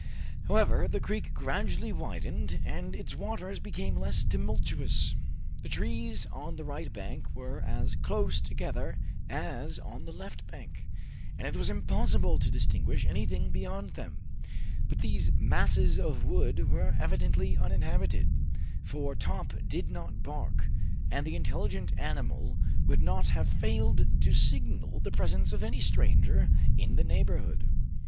However, the creek gradually widened and its waters became less tumultuous. The trees on the right bank were as close together as on the left bank, and it was impossible to distinguish anything beyond them; but these masses of wood were evidently uninhabited, for Top did not bark, and the intelligent animal would not have failed to signal the presence of any stranger in the neighborhood.